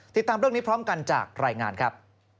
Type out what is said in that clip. ติดตามเรื่องนี้พร้อมกันจากรายงานครับ